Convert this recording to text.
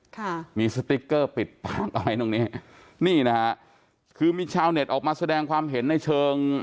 ค่ะมีสติ๊กเกอร์ปิดปากเอาไว้ตรงนี้นี่นะฮะคือมีชาวเน็ตออกมาแสดงความเห็นในเชิง